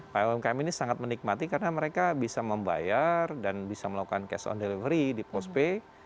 para umkm ini sangat menikmati karena mereka bisa membayar dan bisa melakukan cash on delivery di postpay